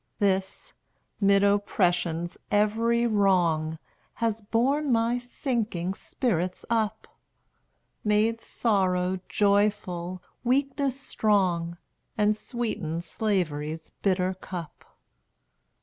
This, 'mid oppression's every wrong, Has borne my sinking spirits up; Made sorrow joyful, weakness strong, And sweetened Slavery's bitter cup.